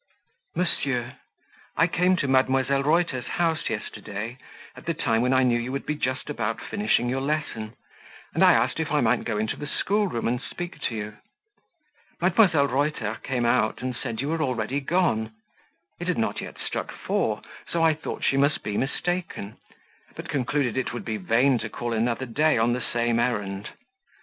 "MONSIEUR, "I came to Mdlle. Reuter's house yesterday, at the time when I knew you would be just about finishing your lesson, and I asked if I might go into the schoolroom and speak to you. Mdlle. Reuter came out and said you were already gone; it had not yet struck four, so I thought she must be mistaken, but concluded it would be vain to call another day on the same errand.